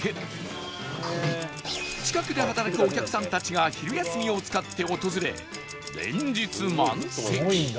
近くで働くお客さんたちが昼休みを使って訪れ連日満席